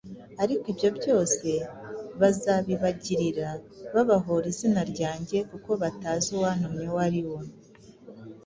Ariko ibyo byose bazabibagirira babahora izina ryanjye, kuko batazi Uwantumye uwo ari we.” ”